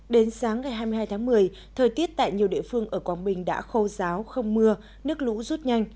đến sáng ngày hai mươi hai tháng một mươi thời tiết tại nhiều địa phương ở quảng bình đã khô giáo không mưa nước lũ rút nhanh